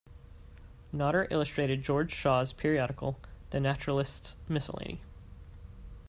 Nodder illustrated George Shaw's periodical "The Naturalist's Miscellany".